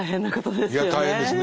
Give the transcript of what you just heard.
いや大変ですね。